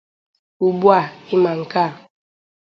Ugbua ị ma nke a